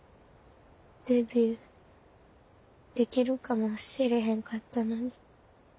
デビューできるかもしれへんかったのに。